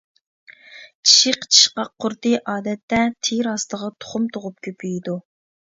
چىشى قىچىشقاق قۇرتى ئادەتتە تېرە ئاستىغا تۇخۇم تۇغۇپ كۆپىيىدۇ.